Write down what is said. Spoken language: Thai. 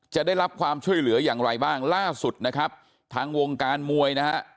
จะได้รับความช่วยเหลืออย่างไรบ้างล่าสุดนะครับทางวงการมวยนะฮะ